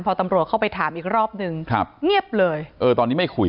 พอตำรวจเข้าไปถามอีกรอบนึงครับเงียบเลยเออตอนนี้ไม่คุย